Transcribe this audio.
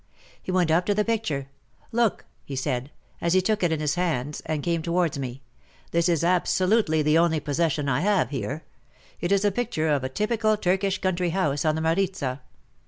He went up to the picture. '' Look," he said, as he took it in his hands and came towards me — "this is absol utely the only possession I have here. It is a picture of a typical Turkish country house on the Maritza.